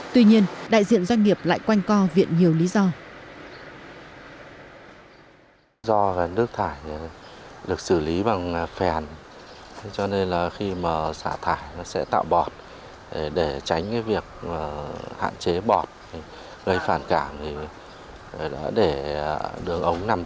tuy nhiên đại diện doanh nghiệp lại quanh co viện nhiều lý do